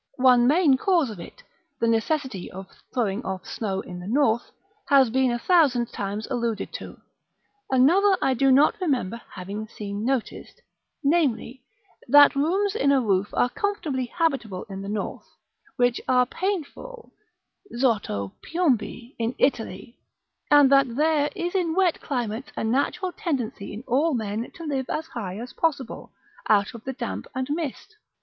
§ VI. One main cause of it, the necessity of throwing off snow in the north, has been a thousand times alluded to: another I do not remember having seen noticed, namely, that rooms in a roof are comfortably habitable in the north, which are painful sotto piombi in Italy; and that there is in wet climates a natural tendency in all men to live as high as possible, out of the damp and mist.